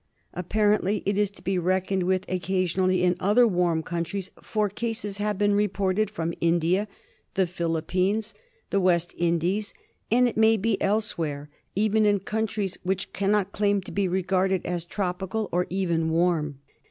Apparently it is to be reckoned with occasionally in other warm countries, for cases have been reported from India, the Philippines, the West Indies, and it may be elsewhere, even in countries which cannot claim to be reg^arded as tropical or even Avarm.